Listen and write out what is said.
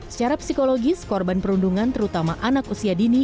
secara psikologis korban perundungan terutama anak usia dua belas